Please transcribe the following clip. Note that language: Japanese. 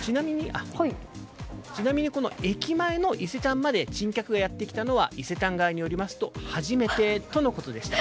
ちなみに、この駅前の伊勢丹まで珍客がやってきたのは伊勢丹側によりますと初めてとのことでした。